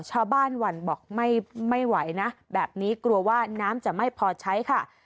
หวั่นบอกไม่ไหวนะแบบนี้กลัวว่าน้ำจะไม่พอใช้ค่ะ